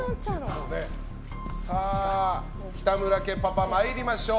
北村家パパ参りましょう。